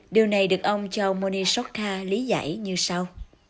điều này được ông joe moneshoka lý giải như sau